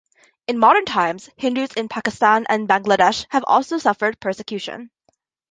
In modern times, Hindus in Pakistan and Bangladesh have also suffered persecution.